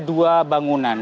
ada dua bangunan